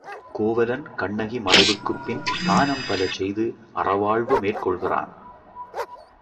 கோவலன் கண்ணகி மறைவுக்குப்பின் தானம் பல செய்து அறவாழ்வு மேற்கொள்கிறான்.